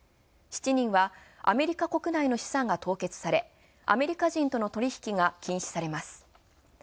７人はアメリカ国内の資産が凍結され、アメリカ人の取引が禁止されます。